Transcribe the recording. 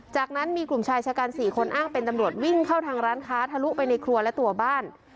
จากนั้นมีกลุ่มชายชะกัน๔คนอ้างเป็นตำรวจวิ่งเข้าทางร้านค้าทะลุไปในครัวและตัวบ้าน